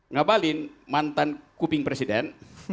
ngabalin mantan kuping presiden